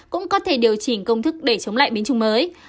cũng có thể điều chỉnh công thức để chống lại biến chứng mới